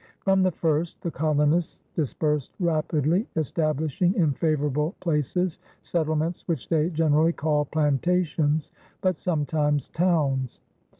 From the first the colonists dispersed rapidly, establishing in favorable places settlements which they generally called plantations but sometimes towns.